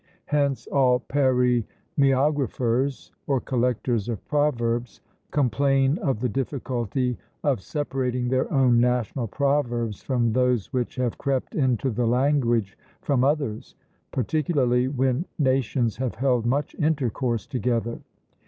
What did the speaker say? Hence all paroemiographers, or collectors of proverbs, complain of the difficulty of separating their own national proverbs from those which have crept into the language from others, particularly when nations have held much intercourse together.